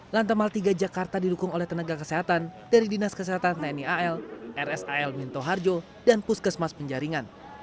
lantamal tiga jakarta didukung oleh tenaga kesehatan dari dinas kesehatan tni al rsal minto harjo dan puskesmas penjaringan